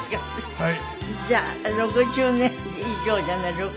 はい。